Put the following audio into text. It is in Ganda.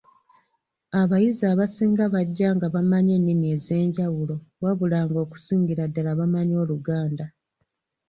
Abayizi abasinga bajja nga bamanyi ennimi ez’enjawulo wabula nga okusingira ddala bamanyi Oluganda.